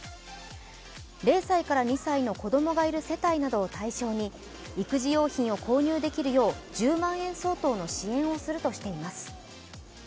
０歳から２歳の子供がいる世帯などを対象に育児用品を購入できるよう１０万円相当の支援をするとしています。